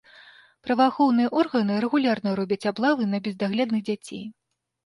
Праваахоўныя органы рэгулярна робяць аблавы на бездаглядных дзяцей.